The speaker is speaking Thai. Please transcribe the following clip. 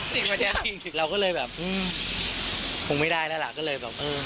จริงวันนี้เราก็เลยแบบคงไม่ได้แล้วล่ะก็เลยแบบเออ